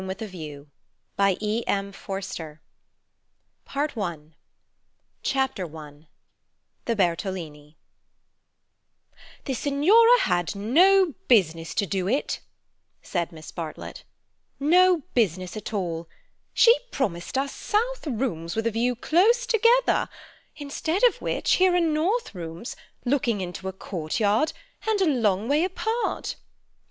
The End of the Middle Ages PART ONE Chapter I The Bertolini "The Signora had no business to do it," said Miss Bartlett, "no business at all. She promised us south rooms with a view close together, instead of which here are north rooms, looking into a courtyard, and a long way apart.